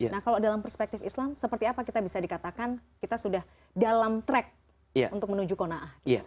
nah kalau dalam perspektif islam seperti apa kita bisa dikatakan kita sudah dalam track untuk menuju ⁇ konaah ⁇